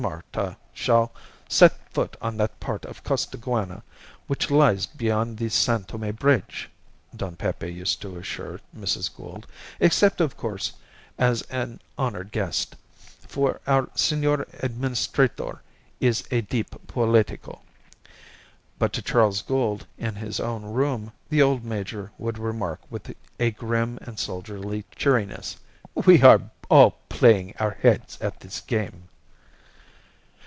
Marta shall set foot on that part of Costaguana which lies beyond the San Tome bridge," Don Pepe used to assure Mrs. Gould. "Except, of course, as an honoured guest for our Senor Administrador is a deep politico." But to Charles Gould, in his own room, the old Major would remark with a grim and soldierly cheeriness, "We are all playing our heads at this game."